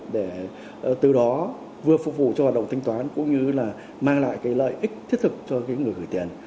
để từ đó vừa phục vụ cho hoạt động thanh toán cũng như là mang lại cái lợi ích thiết thực cho người gửi tiền